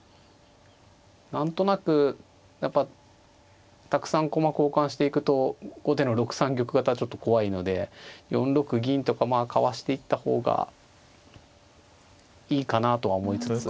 何となくやっぱたくさん駒交換していくと後手の６三玉型はちょっと怖いので４六銀とかまあかわしていった方がいいかなとは思いつつ。